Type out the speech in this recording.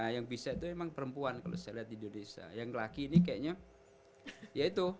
yang bisa itu memang perempuan kalau saya lihat di indonesia yang laki ini kayaknya ya itu